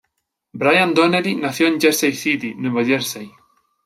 Brian Donnelly nació en Jersey City, Nueva Jersey.